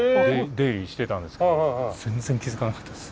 出入りしてたんですけど全然気付かなかったです。